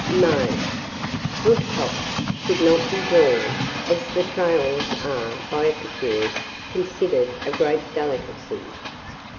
Mode. Woodcocks should not be drawn, as the trails are, by epicures, considered a great delicacy.